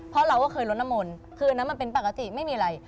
เพราะเราก็เคยลดน้ำมนต์คืนนั้นมันเป็นปกติไม่มีอะไร